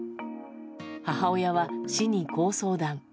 母親は、市にこう相談。